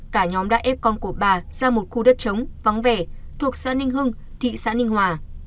cả nhóm đã ép con của bà ra một khu đất trống vắng vẻ thuộc xã ninh hưng thị xã ninh hòa